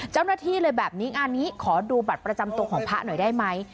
เจ้าหน้าที่เลยแบบนี้งานนี้ขอดูบัตรประจำตัวของพระหน่อยได้ไหม